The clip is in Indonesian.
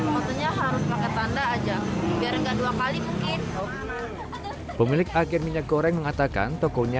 maksudnya harus pakai tanda aja biar enggak dua kali mungkin pemilik agen minyak goreng mengatakan tokonya